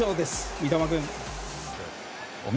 三笘君。